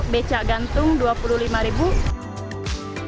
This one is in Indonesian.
becak gantung sepeda gantung dan sepeda gantung yang bisa dinaiki oleh dua orang sekaligus